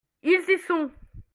Ils y sont